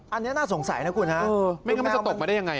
อันนี้น่าสงสัยนะคุณฮะไม่งั้นมันจะตกมาได้ยังไง